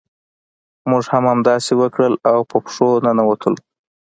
موږ هم همداسې وکړل او په پښو ننوتلو.